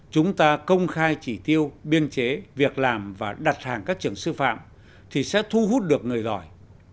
chúng ta công khai chỉ tiêu biên chế việc làm và đặt hàng các trường sư phạm thì sẽ thu hút được người giỏi